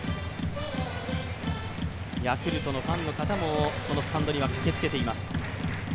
ヤクルトのファンの方もこのスタンドには駆けつけています。